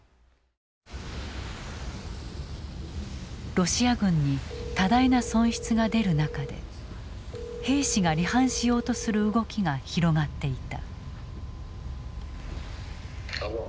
ロシア軍に多大な損失が出る中で兵士が離反しようとする動きが広がっていた。